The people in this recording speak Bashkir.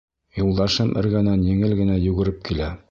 Юлдашым эргәнән еңел генә йүгереп килә.